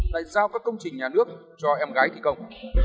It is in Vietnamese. lại giao các công trình nhà nước cho em gái thị công